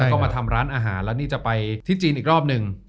แล้วก็มาทำร้านอาหารแล้วนี่จะไปที่จีนอีกรอบหนึ่ง